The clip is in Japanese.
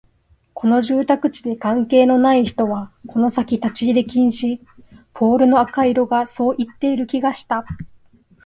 この住宅地に関係のない人はこの先立ち入り禁止、ポールの赤色がそう言っている気がした